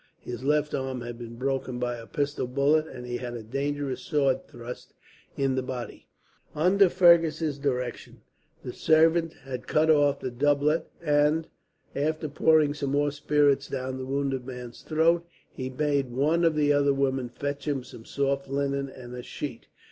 His left arm had been broken by a pistol bullet, and he had a dangerous sword thrust in the body. Under Fergus' direction the servant had cut off the doublet and, after pouring some more spirits down the wounded man's throat, he bade one of the other women fetch him some soft linen, and a sheet.